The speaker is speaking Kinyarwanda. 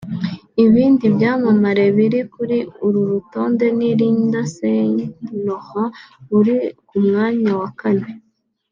Ibindi byamamare biri kuri uru rutonde ni Lindsay Lohan uri ku mwanya wa kane